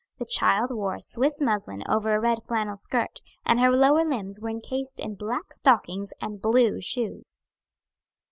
The child wore a Swiss muslin over a red flannel skirt, and her lower limbs were encased in black stockings and blue shoes.